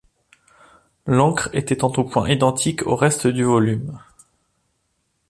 L'encre était en tout point identique au reste du volume.